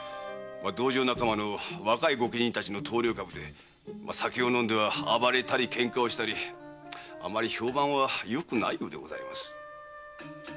道場仲間の若い御家人たちの頭領株で酒を飲んでは暴れたり喧嘩をしたりあまり評判はよくないようです。